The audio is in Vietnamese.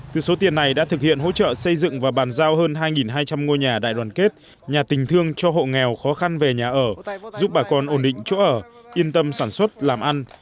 từ số tiền này đã thực hiện hỗ trợ xây dựng và bàn giao hơn hai hai trăm linh ngôi nhà đại đoàn kết nhà tình thương cho hộ nghèo khó khăn về nhà ở giúp bà con ổn định chỗ ở yên tâm sản xuất làm ăn